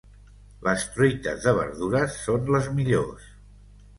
Les truites de verdures són les millors.